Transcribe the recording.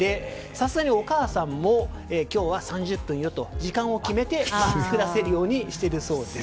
さすがにお母さんも今日は３０分よと時間を決めて作らせるようにしているそうです。